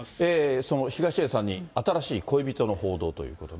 その東出さんに新しい恋人の報道ということで。